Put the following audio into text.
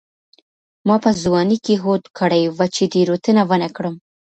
ما په ځوانۍ کې هوډ کړی و چې تېروتنه ونه کړم.